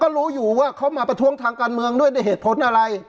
รู้อยู่ว่าเขามาประท้วงทางการเมืองด้วยในเหตุผลอะไร